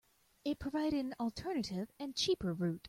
It provided an alternative and cheaper route.